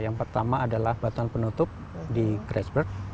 yang pertama adalah batuan penutup di grassberg